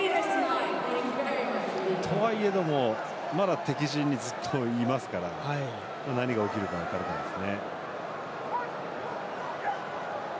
とはいえどもまだ敵陣にいますから何が起きるか分からないですね。